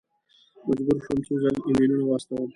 مجبور شوم څو ځل ایمیلونه واستوم.